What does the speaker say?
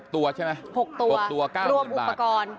ตัวใช่ไหม๖ตัว๙รวมอุปกรณ์